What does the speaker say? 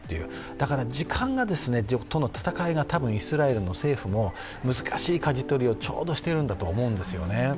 だから時間との戦いが、イスラエルの政府も難しいかじ取りをちょうどしてるんだと思うんですよね。